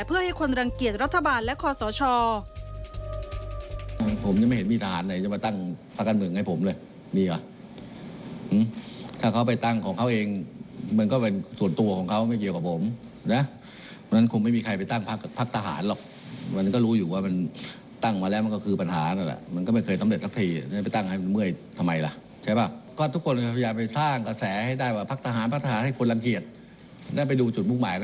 เพื่อให้คนรังเกียจรัฐบาลและคอสช